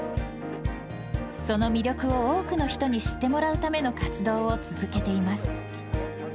その魅力を多くの人に知ってもらうための活動を続けています。